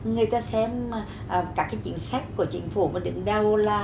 người ta xem các chính sách của chính phủ